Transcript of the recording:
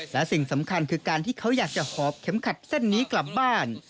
และสิ่งสำคัญคือการที่เขาอยากจะหอบเข็มขัดเส้นนี้กลับบ้าน